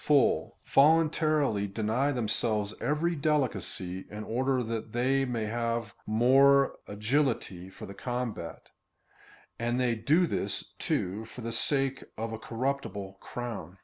full, voluntarily deny themselves every delicacy, in order that they may have more agility for the combat, and they do this, too, for the sake of a corruptible crown.